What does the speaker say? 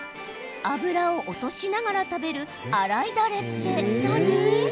脂を落としながら食べる洗いダレって何？